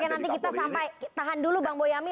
oke nanti kita sampai tahan dulu bang boyamin